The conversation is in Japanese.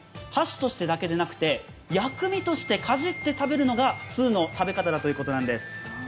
箸としてだけでなくて、薬味としてかじって食べるのが通の食べ方だということなんです。